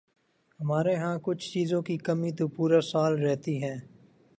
ہمارے ہاں کچھ چیزوں کی کمی تو پورا سال رہتی ہے۔